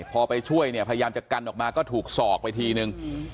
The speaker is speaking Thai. พอไปช่วยเนี่ยพยายามจะกันออกมาก็ถูกสอกไปทีนึง